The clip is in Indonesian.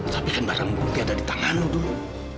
tapi kan barang bukti ada di tangan lu dulu